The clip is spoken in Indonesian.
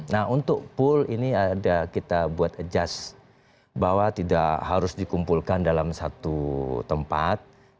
nah untuk pool ini ada kita buat adjust bahwa tidak harus dikumpulkan dalam satu tempat